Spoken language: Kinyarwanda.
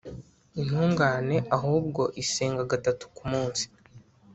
Intungane ahubwo isenga gatatu ku munsi